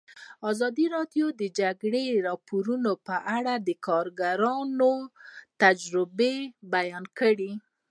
ازادي راډیو د د جګړې راپورونه په اړه د کارګرانو تجربې بیان کړي.